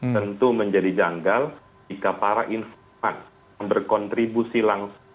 tentu menjadi janggal jika para informan yang berkontribusi langsung